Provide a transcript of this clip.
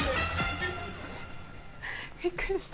びっくりした。